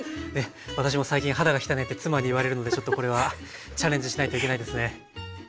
私も最近肌が汚いって妻に言われるのでちょっとこれはチャレンジしないといけないですね。